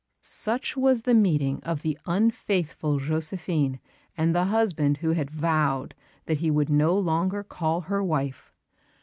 Such was the meeting of the unfaithful Josephine and the husband who had vowed that he would no longer call her wife.